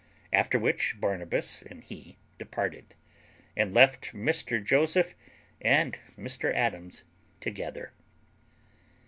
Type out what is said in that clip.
After which Barnabas and he departed, and left Mr Joseph and Mr Adams together.